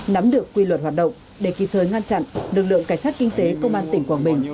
nắm được quy luật hoạt động để kịp thời ngăn chặn lực lượng cảnh sát kinh tế công an tỉnh quảng bình